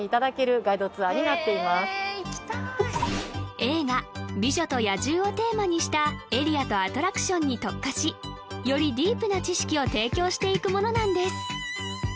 映画「美女と野獣」をテーマにしたエリアとアトラクションに特化しよりディープな知識を提供していくものなんです